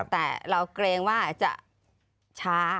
แต่เราเกรงว่าจะช้า